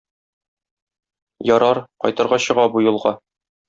Ярар, кайтырга чыга бу юлга.